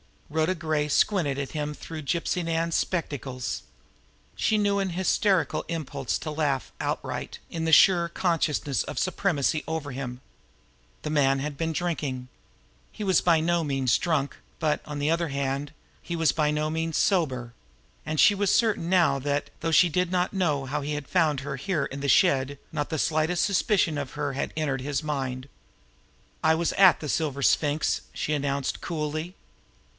Rhoda Gray squinted at him through Gypsy Nan's spectacles. She knew an hysterical impulse to laugh outright in the sure consciousness of supremacy over him now. The man had been drinking. He was by no means drunk; but, on the other hand, he was by no means sober and she was certain now that, though she did not know how he had found her here in the shed, not the slightest suspicion of her had entered his mind. "I was at the Silver Sphinx," she announced coolly.